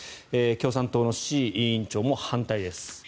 共産党の志位委員長も反対です。